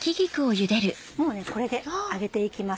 もうこれで上げて行きます。